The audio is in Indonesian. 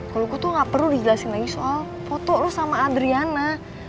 kalau gue tuh gak perlu dijelasin lagi soal foto lu sama adriana